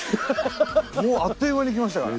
もうあっという間に来ましたから。